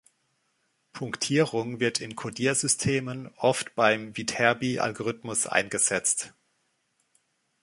Punktierung wird in Codiersystemen oft beim Viterbi-Algorithmus eingesetzt.